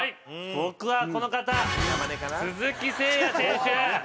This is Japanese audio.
僕はこの方鈴木誠也選手！